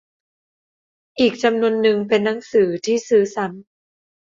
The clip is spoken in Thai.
อีกจำนวนนึงเป็นหนังสือที่ซื้อซ้ำ